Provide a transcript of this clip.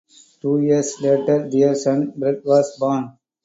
Two years later their son Bret was born.